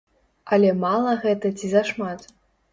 Але мала гэта ці зашмат?